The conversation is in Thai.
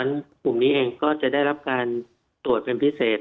กลุ่มนี้เองก็จะได้รับการตรวจเป็นพิเศษ